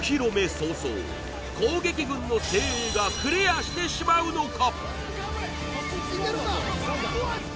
早々攻撃軍の精鋭がクリアしてしまうのか？